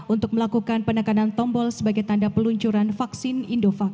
untuk melakukan penekanan tombol sebagai tanda peluncuran vaksin indovac